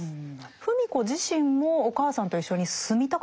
芙美子自身もお母さんと一緒に住みたかったんでしょうか？